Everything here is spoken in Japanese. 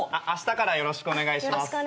あしたからよろしくお願いします。